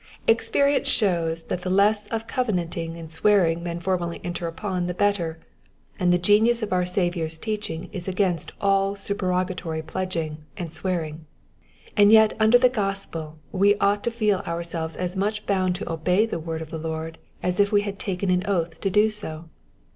Experience shows that the less of covenanting and swearing men formally enter upon the better, and the genius of our Saviour's teaching is against all supererogatory pledging and swearing ; and yet under the gospel we ought to feel ourselves as much bound to obey the word of the Lord as if we had taken an oath so to do.